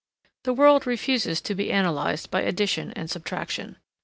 The world refuses to be analyzed by addition and subtraction.